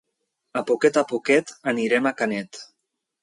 A poquet a poquet anirem a Canet.